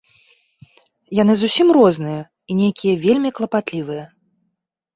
Яны зусім розныя і нейкія вельмі клапатлівыя.